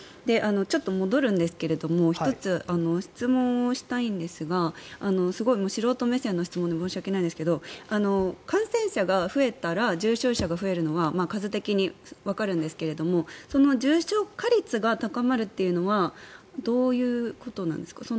ちょっと戻るんですが１つ、質問をしたいんですがすごい素人目線の質問で申し訳ないんですけど感染者が増えたら重症者が増えるのは数的にわかるんですけどその重症化率が高まるというのはどういうことなんですか？